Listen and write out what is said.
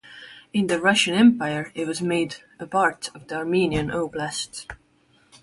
In the Russian Empire it was made a part of the Armenian Oblast.